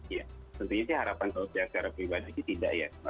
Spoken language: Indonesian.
iya tentunya sih harapan sosial secara pribadi tidak ya